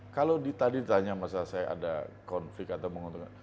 kalau tadi ditanya masa saya ada konflik atau menguntungkan